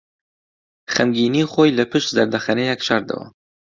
خەمگینیی خۆی لەپشت زەردەخەنەیەک شاردەوە.